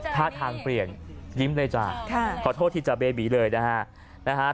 ท่าทางเปลี่ยนยิ้มเลยจ้ะขอโทษที่จะเบบีเลยนะฮะ